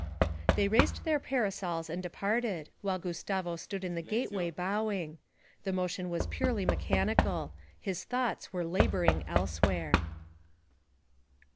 They raised their parasols and departed, while Gustavo stood in the gateway bowing. The motion was purely mechanical; his thoughts were labouring elsewhere.